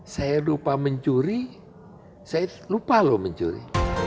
saya lupa mencuri